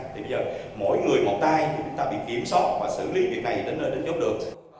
thì giờ mỗi người một tay chúng ta bị kiểm soát và xử lý việc này đến nơi đánh chốt được